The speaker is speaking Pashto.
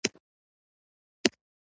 لمسی له نیکو دوستانو سره وده کوي.